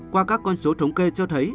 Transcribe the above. qua các con số thống kê cho thấy